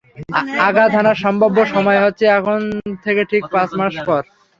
আঘাত হানার সম্ভাব্য সময় হচ্ছে এখন থেকে ঠিক পাঁচ মাস পর!